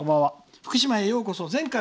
福島へ、ようこそ。